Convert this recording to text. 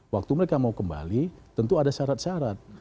waktu mereka mau kembali tentu ada syarat syarat